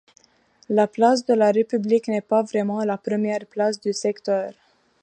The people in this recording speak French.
La place de la République n'est pas vraiment la première place du secteur.